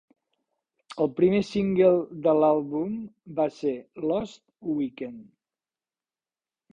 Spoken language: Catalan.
El primer single de l'àlbum va ser "Lost Weekend".